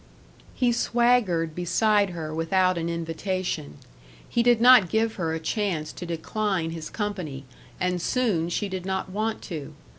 He swaggered beside her without an invitation. He did not give her a chance to decline his company and soon she did not want to.